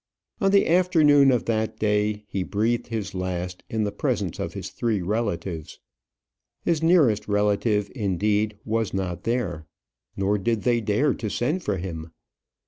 On the afternoon of that day, he breathed his last in the presence of his three relatives. His nearest relative, indeed, was not there; nor did they dare to send for him.